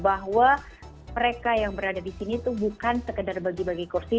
bahwa mereka yang berada di sini itu bukan sekedar bagi bagi kursi